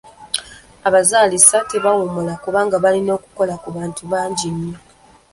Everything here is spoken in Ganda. Abazaalisa tebawummula kubanga balina okukola ku bantu bangi nnyo.